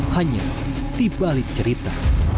hanya di balik cerita